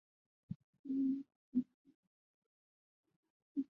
新领导层上任后所面对的第一个重大挑战就是严重急性呼吸系统综合症。